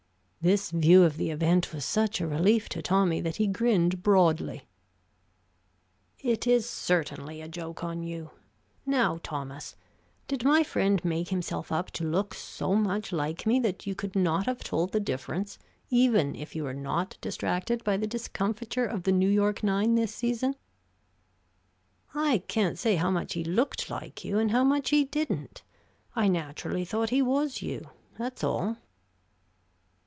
This view of the event was such a relief to Tommy that he grinned broadly. "It is certainly a joke on you. Now, Thomas, did my friend make himself up to look so much like me that you could not have told the difference, even if you were not distracted by the discomfiture of the New York nine this season?" "I can't say how much he looked like you, and how much he didn't. I naturally thought he was you that's all."